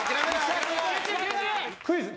クイズ。